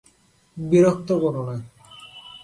বিরক্ত কোরো না।